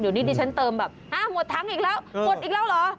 เดี๋ยวนิดนี้ฉันเติมแบบฮะหมดทั้งอีกแล้วหมดอีกแล้วเหรอ